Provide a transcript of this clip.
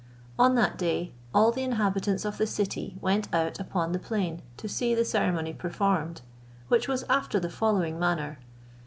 On that day all the inhabitants of the city went out upon the plain to see the ceremony performed, which was after the following manner.